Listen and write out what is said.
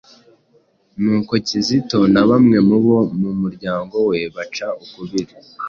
Nuko Kizito na bamwe mu bo mu muryango we baca ukubiri